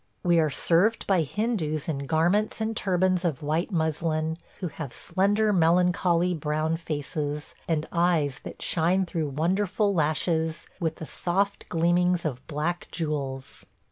We are served by Hindoos in garments and turbans of white muslin, who have slender melancholy brown faces, and eyes that shine through wonderful lashes with the soft gleamings of black jewels.